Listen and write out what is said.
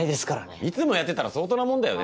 いつもやってたら相当なもんだよね。